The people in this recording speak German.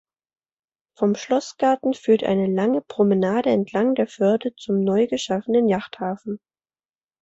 Vom Schlossgarten führt eine lange Promenade entlang der Förde zum neu geschaffenen Yachthafen.